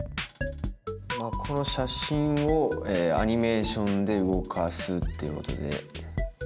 この写真をえアニメーションで動かすっていうことで。